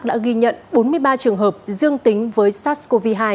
đã ghi nhận bốn mươi ba trường hợp dương tính với sars cov hai